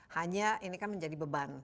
hanya ini kan menjadi beban